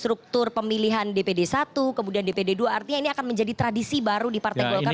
struktur pemilihan dpd satu kemudian dpd dua artinya ini akan menjadi tradisi baru di partai golkar untuk pak kawan presiden juga musyawarah